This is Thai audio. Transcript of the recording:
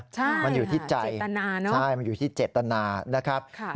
ใช่จิตตนาเนอะใช่มันอยู่ที่จิตตนานะครับใช่